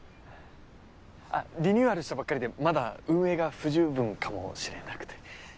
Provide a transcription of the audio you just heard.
あっリニューアルしたばっかりでまだ運営が不十分かもしれなくて。